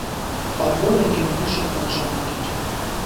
Պատվո լեգեոնի շքանշանակիր։